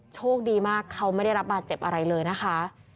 โชคดีมากเขาไม่ได้รับบาดเจ็บอะไรเลยนะคะ